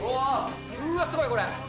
うわ、すごい、これ。